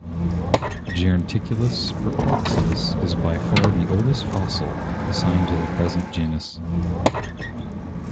Geronticus perplexus is by far the oldest fossil assigned to the present genus.